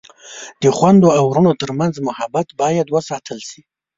د خویندو او ورونو ترمنځ محبت باید وساتل شي.